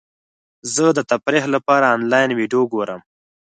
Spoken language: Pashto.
زه د تفریح لپاره انلاین ویډیو ګورم.